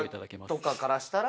車とかからしたら。